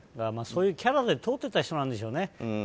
そういうキャラで通っていた人なんでしょうね。